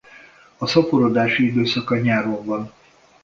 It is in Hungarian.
A szaporodási időszaka nyáron van.